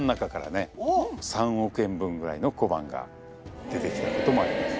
３億円分ぐらいの小判が出てきたこともあります。